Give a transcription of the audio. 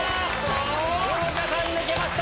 風花さん抜けました！